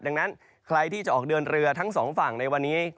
ดังนั้นใครที่จะออกเดินเรือทั้งสองฝั่งในวันนี้